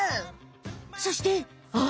そしてあっ！